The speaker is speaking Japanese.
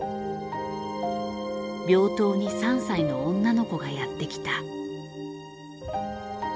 病棟に３歳の女の子がやって来た。